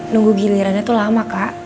nunggu gilirannya tuh lama kak